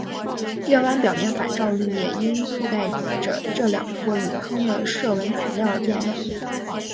月湾表面反照率也因覆盖着这两座陨坑的射纹材料而变亮。